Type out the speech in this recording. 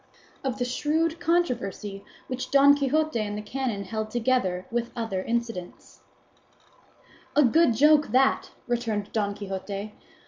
OF THE SHREWD CONTROVERSY WHICH DON QUIXOTE AND THE CANON HELD, TOGETHER WITH OTHER INCIDENTS "A good joke, that!" returned Don Quixote.